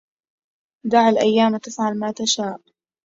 دع الأيام تفعل ما تشاء